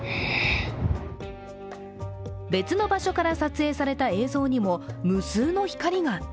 別の場所から撮影された映像にも無数の光が。